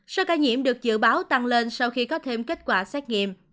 số ca nhiễm được dự báo tăng lên sau khi có thêm kết quả xét nghiệm